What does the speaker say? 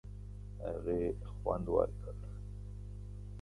هغې خوند ورکړ.